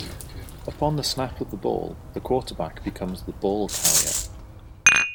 Upon the snap of the ball, the quarterback becomes the "ball carrier".